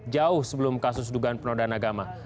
jauh sebelum kasus dugaan penodaan agama